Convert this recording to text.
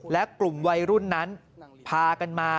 และกลุ่มวัยรุ่นนั้นพากันมา